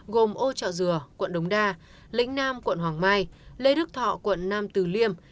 gồm âu trọ dừa quận đống đa lĩnh nam quận hoàng mai lê đức thọ quận nam từ liêm